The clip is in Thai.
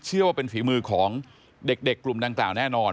เชื่อว่าเป็นฝีมือของเด็กกลุ่มดังกล่าวแน่นอน